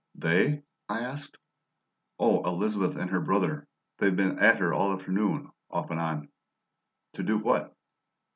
"They?" I asked. "Oh, Elizabeth and her brother. They've been at her all afternoon off and on." "To do what?"